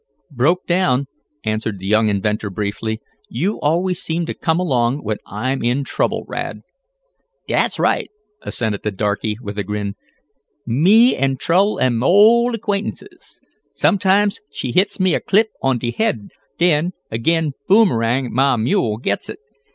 "Broke down," answered the young inventor briefly. "You always seem to come along when I'm in trouble, Rad." "Dat's right," assented the darkey, with a grin. "Me an' trouble am ole acquaintances. Sometimes she hits me a clip on de haid, den, ag'in Boomerang, mah mule, gits it.